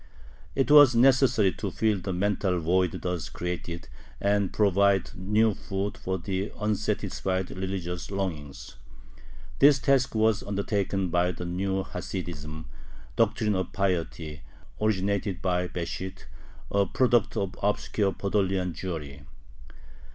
It was necessary to fill the mental void thus created, and provide new food for the unsatisfied religious longings. This task was undertaken by the new Hasidism ("Doctrine of Piety"), originated by Besht, a product of obscure Podolian Jewry.